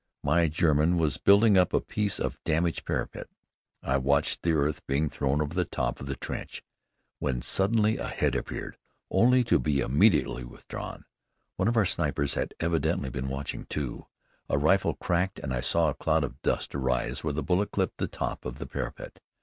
My German was building up a piece of damaged parapet. I watched the earth being thrown over the top of the trench, when suddenly a head appeared, only to be immediately withdrawn. One of our snipers had evidently been watching, too. A rifle cracked and I saw a cloud of dust arise where the bullet clipped the top of the parapet.